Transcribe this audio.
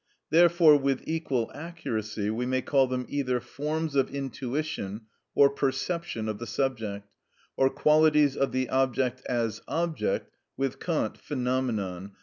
Therefore, with equal accuracy, we may call them either forms of intuition or perception of the subject, or qualities of the object as object (with Kant, phenomenon), _i.